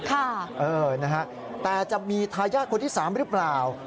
เออนะฮะแต่จะมีทายาทคนที่สามหรือเปล่า